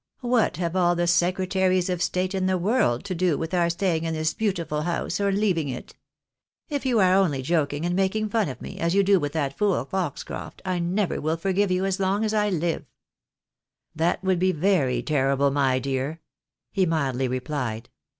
"What have all the secretaries of state in the world to do with our staying in this beautiful house or leaving it ? If j'ou are only joking, and making fun of me, as you do with that fool Foxcroft, I never will forgive you as long as I live." " That would be very terrible, my dear," he mildly replied.